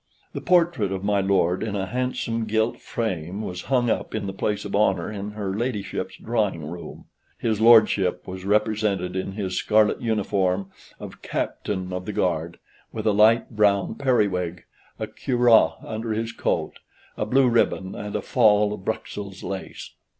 The portrait of my lord, in a handsome gilt frame, was hung up in the place of honor in her ladyship's drawing room. His lordship was represented in his scarlet uniform of Captain of the Guard, with a light brown periwig, a cuirass under his coat, a blue ribbon, and a fall of Bruxelles lace.